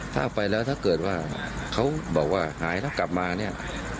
ถ้าไปแล้วถ้าเกิดว่าเขาบอกว่าหายแล้วกลับมาเนี่ย